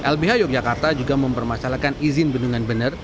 lbh yogyakarta juga mempermasalahkan izin bendungan bener